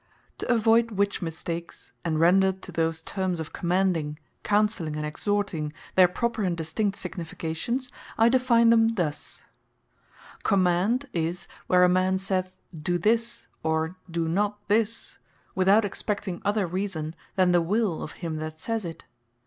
To avoyd which mistakes, and render to those termes of Commanding, Counselling, and Exhorting, their proper and distinct significations, I define them thus. Differences Between Command And Counsell COMMAND is, where a man saith, "Doe this," or "Doe this not," without expecting other reason than the Will of him that sayes it.